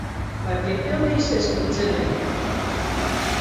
Vai piepildīsies, ko cerēja?